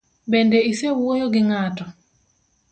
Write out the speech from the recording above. Bende isewuoyo gi ng'ato?